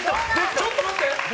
ちょっと待って！